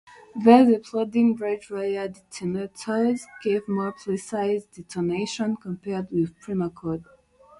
These exploding-bridgewire detonators gave more precise detonation, compared with primacord.